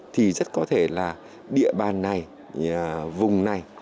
thì rất có thể là địa bàn này vùng này